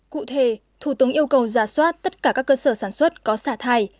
cụ thể thủ tướng yêu cầu giả soát tất cả các cơ sở sản xuất có xả thải